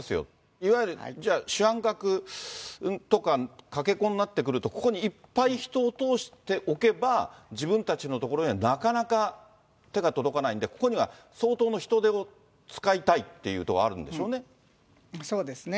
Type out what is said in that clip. いわゆる、主犯格とかかけ子になってくると、ここにいっぱい人を通しておけば、自分たちの所にはなかなか手が届かないんで、ここには相当の人手を使いたいというのはあるんでしょうね。